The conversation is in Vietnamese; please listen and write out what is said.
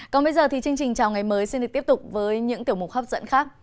còn bây giờ thì chương trình chào ngày mới xin được tiếp tục với những tiểu mục hấp dẫn khác